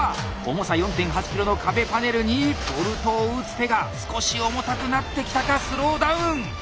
重さ４．８ｋｇの壁パネルにボルトを打つ手が少し重たくなってきたかスローダウン。